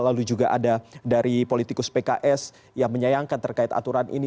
lalu juga ada dari politikus pks yang menyayangkan terkait aturan ini